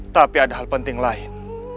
tapi ada hal penting lain